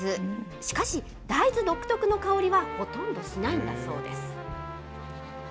しかし、大豆独特の香りはほとんどしないんだそうです。